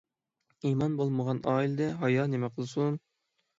ئىمان بولمىغان ئائىلىدە ھايا نېمە قىلسۇن؟